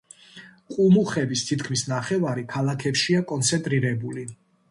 ყუმუხების თითქმის ნახევარი ქალაქებშია კონცენტრირებული.